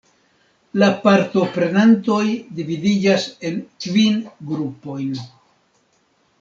La partoprenantoj dividiĝas en kvin grupojn.